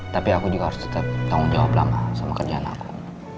tapi aku juga harus tetap tanggung jawab lama sama kerjaan aku